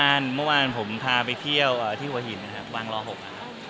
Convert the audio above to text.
รถเข็นผมก็เลยให้วิวแชร์ไป